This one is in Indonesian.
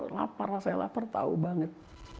lapar saya lapar tau banget